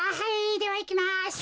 ではいきます。